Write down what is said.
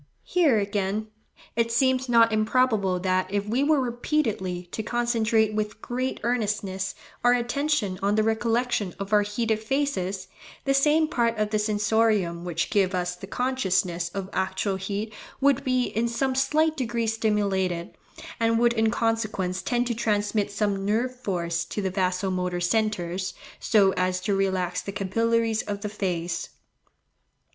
Here, again, it seems not improbable that if we were repeatedly to concentrate with great earnestness our attention on the recollection of our heated faces, the same part of the sensorium which gives us the consciousness of actual heat would be in some slight degree stimulated, and would in consequence tend to transmit some nerve force to the vaso motor centres, so as to relax the capillaries of the face.